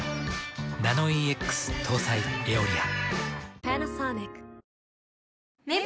ナノイーＸ搭載「エオリア」。